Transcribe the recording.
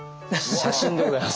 写真でございます。